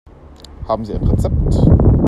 Haben Sie ein Rezept?